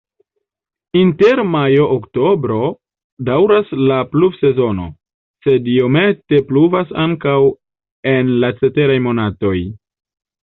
Inter majo-oktobro daŭras la pluvsezono, sed iomete pluvas ankaŭ en la ceteraj monatoj.